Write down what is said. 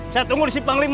saya tunggu di simpang lima